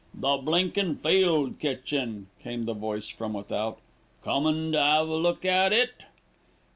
"The blinkin' field kitchen," came the voice from without. "Comin' to 'ave a look at it?"